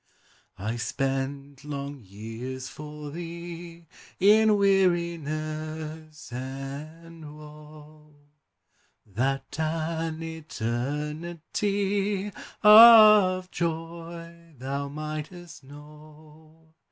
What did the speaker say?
I spent long years for thee In weariness and woe, That an eternity Of joy thou mightest know.